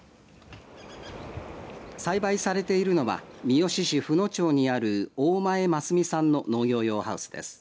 栽培されているのは三次市布野町にある大前万寿美さんの農業用ハウスです。